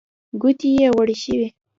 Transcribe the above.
ګوتې يې غوړې شوې.